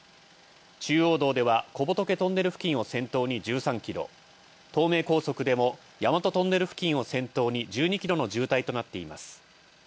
中央道では小仏トンネル付近を先頭に１３キロ東名高速でも大和トンネル付近を先頭に１２キロの渋滞となっています。